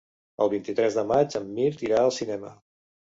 El vint-i-tres de maig en Mirt irà al cinema.